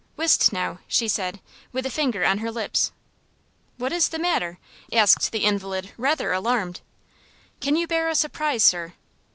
"Whist now," she said, with her finger on her lips. "What is the matter?" asked the invalid, rather alarmed. "Can you bear a surprise, sir?"